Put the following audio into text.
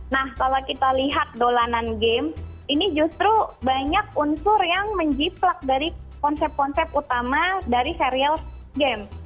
nah kalau kita lihat dolanan game ini justru banyak unsur yang menjiplak dari konsep konsep utama dari serial game